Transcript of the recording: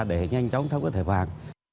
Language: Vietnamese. để nhanh chóng tham gia thải phạm